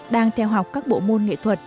đang theo học các bộ môn nghệ thuật